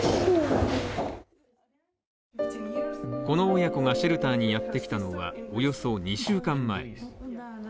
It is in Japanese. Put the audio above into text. この親子がシェルターにやってきたのは、およそ２週間前。